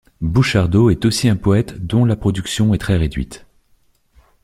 Bouchardeau est aussi un poète dont la production est très réduite.